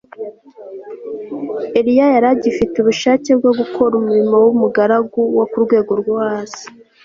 Eliya yari agifite ubushake bwo gukora umurimo wumugaragu wo ku rwego rwo hasi